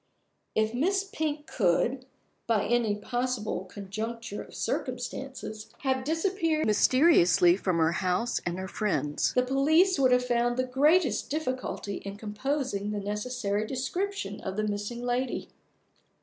If Miss Pink could, by any possible conjuncture of circumstances, have disappeared mysteriously from her house and her friends, the police would have found the greatest difficulty in composing the necessary description of the missing lady.